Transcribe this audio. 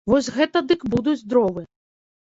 Вось гэта дык будуць дровы!